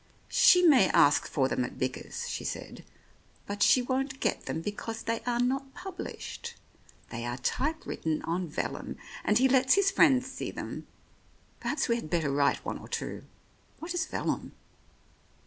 "She may ask for them at Bickers," she Said, "but she won't get them because they are not published. They are type written on vellum, and he lets his friends see them. Perhaps we had better write one or two. What is vellum